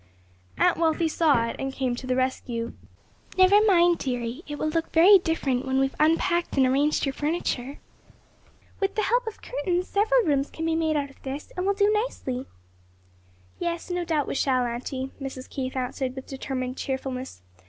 Aunt Wealthy saw it and came to the rescue. "Never mind, dearie; it will look very different when we have unpacked and arranged your furniture. With the help of curtains several rooms can be made out of this, and we'll do nicely." "Yes, no doubt we shall, auntie," Mrs. Keith answered with determined cheerfulness.